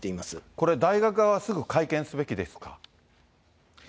これ、大学側はすぐ会見すべきですか。